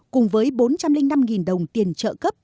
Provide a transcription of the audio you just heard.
cùng với bốn trăm linh năm đồng tiền trợ cấp